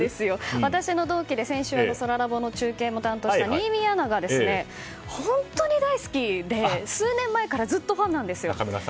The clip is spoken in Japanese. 私の同期で先週そらラボも担当した新美アナが本当に大好きで数年前からずっとファンなんですよ。